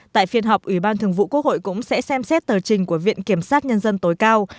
tại phiên họp ủy ban thường vụ quốc hội cũng sẽ xem xét tờ trình của viện kiểm sát nhân dân tối cao